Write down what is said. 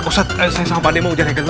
ustadz saya sama pak de mau kejar haikal dulu